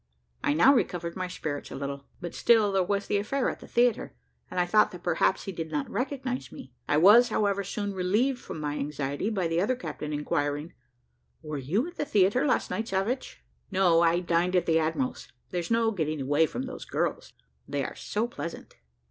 I now recovered my spirits a little but still there was the affair at the theatre, and I thought that perhaps he did not recognise me. I was, however, soon relieved from my anxiety by the other captain inquiring, "were you at the theatre last night, Savage?" "No; I dined at the admiral's; there's no getting away from those girls, they are so pleasant."